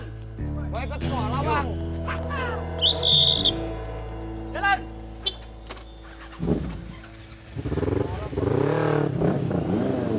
gue ikutin olah bang